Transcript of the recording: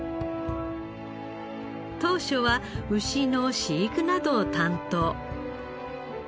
当初は牛の飼育などを担当。